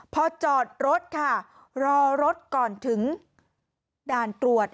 พอจอดรถค่ะรอรถก่อนถึงด่านตรวจ